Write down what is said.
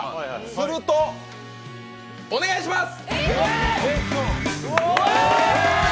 すると、お願いします！